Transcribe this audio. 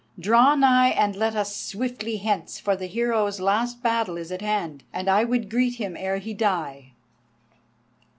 Draw nigh, and let us swiftly hence, for the hero's last battle is at hand, and I would greet him ere he die."